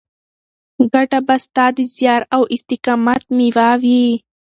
ګټه به ستا د زیار او استقامت مېوه وي.